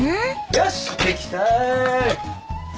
よしできた。